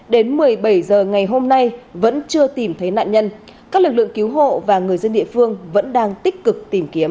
đến một mươi bảy h ngày hôm nay vẫn chưa tìm thấy nạn nhân các lực lượng cứu hộ và người dân địa phương vẫn đang tích cực tìm kiếm